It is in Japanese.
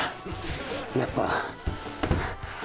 やっぱ。